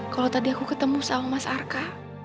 kalau tadi aku ketemu sama mas arka